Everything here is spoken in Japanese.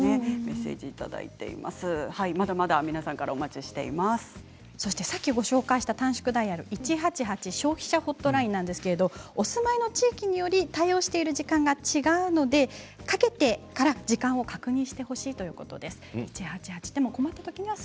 まだまだ皆さんからさっきご紹介した短縮ダイヤル１８８いややですがお住まいの地域により対応している時間が違うのでかけてから時間を確認してほしいということです。